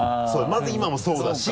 まず今もそうだし。